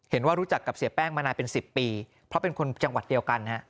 รู้จักกับเสียแป้งมานานเป็น๑๐ปีเพราะเป็นคนจังหวัดเดียวกัน